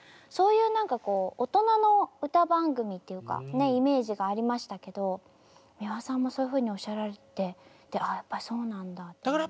そういう何かこう大人の歌番組っていうイメージがありましたけど美輪さんもそういうふうにおっしゃられてて「ああやっぱりそうなんだ」と。